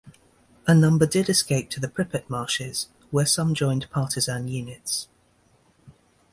A number did escape to the Pripet Marshes, where some joined partisan units.